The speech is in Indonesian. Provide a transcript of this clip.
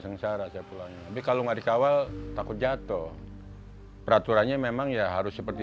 sengsara saya pulang tapi kalau nggak dikawal takut jatuh peraturannya memang ya harus seperti